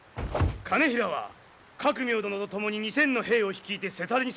兼平は覚明殿と共に２，０００の兵を率いて瀬田に備えよ。